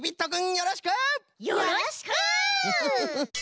よろしく！